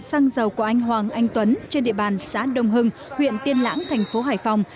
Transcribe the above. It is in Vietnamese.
xăng dầu của anh hoàng anh tuấn trên địa bàn xã đông hưng huyện tiên lãng thành phố hải phòng